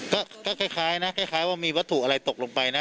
ก็คล้ายว่ามีวัตถุอะไรตกลงไปนะ